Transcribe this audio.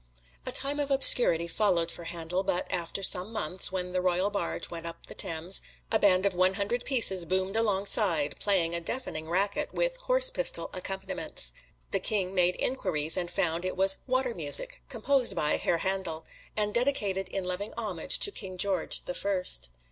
A time of obscurity followed for Handel, but after some months, when the Royal Barge went up the Thames, a band of one hundred pieces boomed alongside, playing a deafening racket, with horse pistol accompaniments. The King made inquiries and found it was "Water Music," composed by Herr Handel, and dedicated in loving homage to King George the First.